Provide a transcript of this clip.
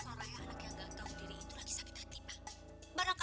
barusan diantarin siapa nih